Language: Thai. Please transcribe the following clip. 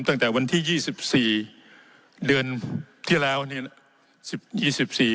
ตั้งแต่วันที่ยี่สิบสี่เดือนที่แล้วเนี่ยสิบยี่สิบสี่